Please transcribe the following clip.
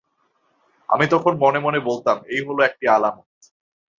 আমি তখন মনে মনে বললাম, এই হল একটি আলামত।